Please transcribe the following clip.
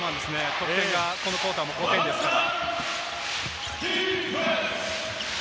得点がこのクオーターも５点ですから。